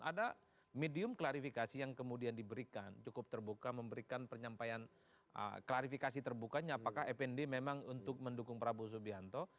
ada medium klarifikasi yang kemudian diberikan cukup terbuka memberikan penyampaian klarifikasi terbukanya apakah fnd memang untuk mendukung prabowo subianto